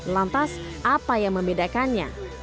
lantas apa yang membedakannya